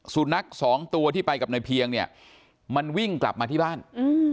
สุนัขสองตัวที่ไปกับนายเพียงเนี่ยมันวิ่งกลับมาที่บ้านอืม